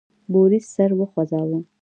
بوریس سر وخوزاوه.